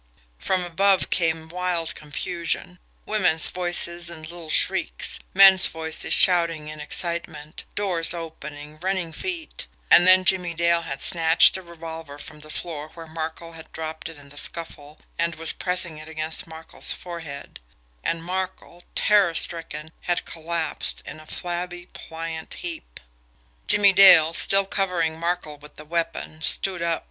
From above came wild confusion women's voices in little shrieks; men's voices shouting in excitement; doors opening, running feet. And then Jimmie Dale had snatched the revolver from the floor where Markel had dropped it in the scuffle, and was pressing it against Markel's forehead and Markel, terror stricken, had collapsed in a flabby, pliant heap. Jimmie Dale, still covering Markel with the weapon, stood up.